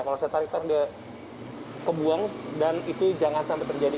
kalau saya tarik tarik ke buang dan itu jangan sampai terjadi